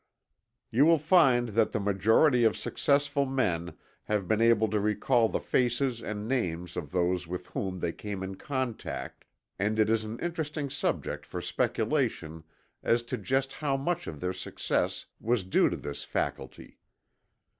You will find that the majority of successful men have been able to recall the faces and names of those with whom they came in contact, and it is an interesting subject for speculation as to just how much of their success was due to this faculty.